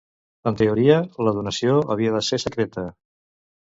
En teoria, la donació havia de ser secreta.